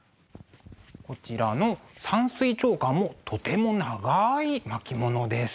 こちらの「山水長巻」もとても長い巻物です。